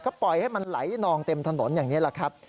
ก็ปล่อยให้มันไหลนองเต็มถนนอย่างนี้แหละครับ